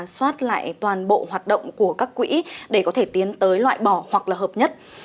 xoát lại toàn bộ hoạt động của các quỹ để có thể tiến tới loại bỏ hoặc là hợp nhất